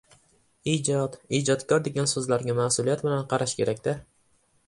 Ijod, ijodkor degan so‘zlarga mas’uliyat bilan qarash kerak-da…